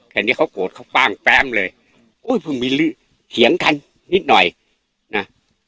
แค่นี้เขาโกรธเขาป้างแป้มเลยโอ้ยเพิ่งมีเถียงกันนิดหน่อยนะ